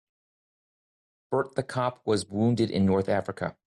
Bert the cop was wounded in North Africa.